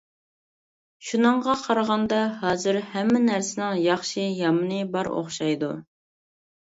شۇنىڭغا قارىغاندا ھازىر ھەممە نەرسىنىڭ ياخشى يامىنى بار ئوخشايدۇ.